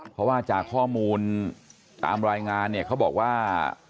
เพราะว่าจากข้อมูลตามรายงานเนี่ยเขาบอกว่า